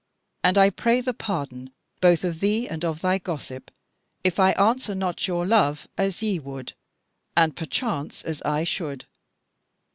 And I pray the pardon both of thee and of thy gossip, if I answer not your love as ye would, and perchance as I should.